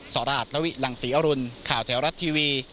สราชนวิหลังศรีอรุณข่าวแถวรัฐทีวี